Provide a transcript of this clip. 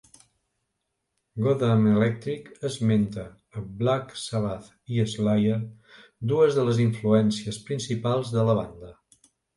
"Goddamn Electric" esmenta a Black Sabbath i Slayer, dues de les influències principals de la banda.